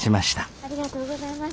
ありがとうございます。